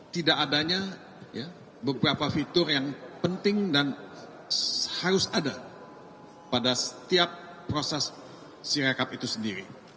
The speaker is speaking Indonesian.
tidak adanya beberapa fitur yang penting dan harus ada pada setiap proses si rekap itu sendiri